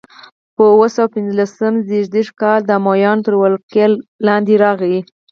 په اووه سوه پنځلسم زېږدیز کال د امویانو تر ولکې لاندې راغي.